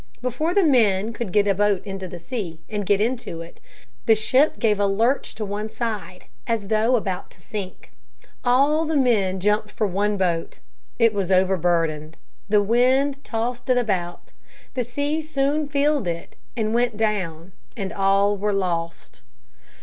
Before the men could get a boat into the sea, and get into it, the ship gave a lurch to one side as though about to sink. All the men jumped for one boat. It was overburdened. The wind tossed it about. The sea soon filled it and it went down and all were lost.